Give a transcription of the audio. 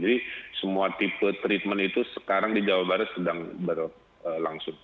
jadi semua tipe treatment itu sekarang di jawa barat sudah berjalan